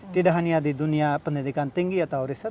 tidak hanya di dunia pendidikan tinggi atau riset